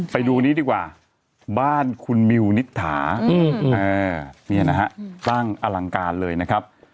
ไปดูนี้ดีกว่าบ้านคุณมิวนิษฐาเนี่ยนะฮะสร้างอลังการเลยนะครับ